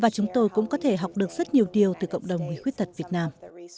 chúng tôi rất vui khi có thể học hỏi được rất nhiều điều từ cộng đồng người khuyết tật việt nam